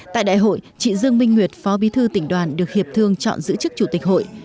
tại đại hội chị dương minh nguyệt phó bí thư tỉnh đoàn được hiệp thương chọn giữ chức chủ tịch hội